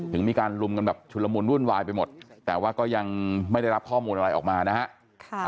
ถึงมีการลุมกันแบบชุดละมุนวุ่นวายไปหมดแต่ว่าก็ยังไม่ได้รับข้อมูลอะไรออกมานะฮะ